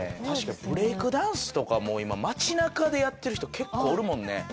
確かにブレイクダンスとかもう今街中でやってる人結構おるもんね。